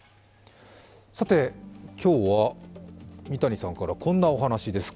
今日は三谷さんからこんなお話です。